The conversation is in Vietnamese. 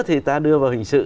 thì ta đưa vào hình sự